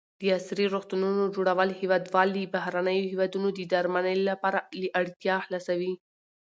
د عصري روغتونو جوړول هېوادوال له بهرنیو هېوادونو د درملنې لپاره له اړتیا خلاصوي.